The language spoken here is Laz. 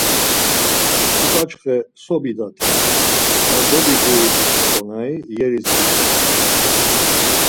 Ok̆açxe so bidate, na dobigurit k̆onari yeriz bidate.